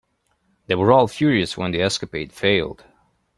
They were all furious when the escapade failed.